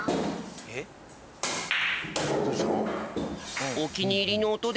どうしたの？